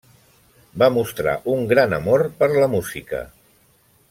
Va mostrar un gran amor per la música.